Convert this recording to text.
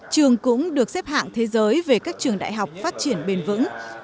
trường cũng được xếp hạng thế giới về các trường đại học phát triển bền vững